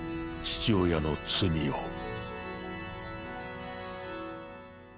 父親の罪を。